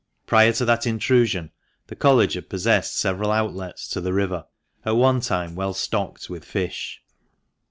Prior to that intrusion, the College had possessed several outlets to the river, at one time well stocked with fish.